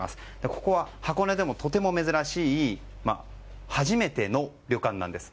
ここは箱根でもとても珍しい初めての旅館なんです。